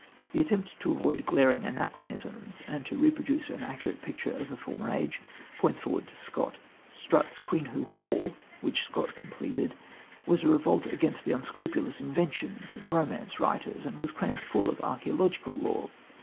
The attempt to avoid glaring anachronisms and to reproduce an accurate picture of a former age points forward to Scott. Strutt's Queenhoo Hall, which Scott completed, was a revolt against the unscrupulous inventions of romance writers, and was crammed full of archaeological lore.